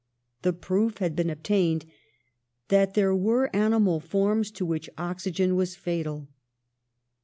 The proof had been obtained that there were animal forms to which oxygen was fatal.